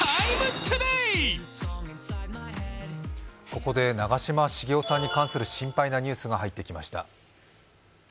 ここで長嶋茂雄さんに関する心配なニュースが入ってきました。